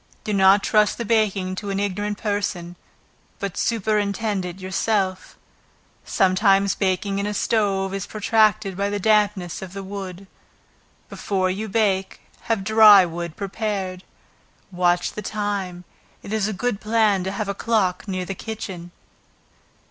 Do not trust the baking to an ignorant person, but superintend it yourself. Sometimes baking in a stove, is protracted by the dampness of the wood. Before you bake, have dry wood prepared. Watch the time; it is a good plan to have a clock near the kitchen.